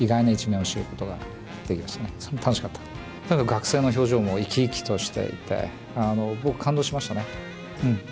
学生の表情も生き生きとしていて僕感動しましたね。